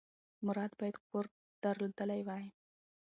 مراد باید کور درلودلی وای.